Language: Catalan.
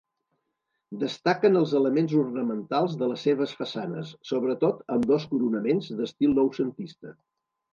Destaquen els elements ornamentals de les seves façanes, sobretot ambdós coronaments, d'estil noucentista.